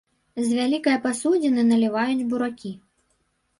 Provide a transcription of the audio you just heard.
З вялікае пасудзіны наліваюць буракі.